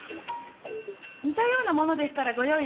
似たような物でしたらご用意できますが。